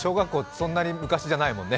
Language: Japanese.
そんなに昔じゃないもんね。